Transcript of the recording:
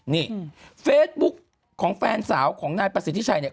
นี่เฟซบุ๊กของแฟนสาวของนายประสิทธิชัยเนี่ย